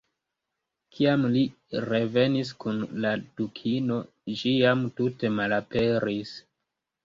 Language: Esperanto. Kiam li revenis kun la Dukino, ĝi jam tute malaperis.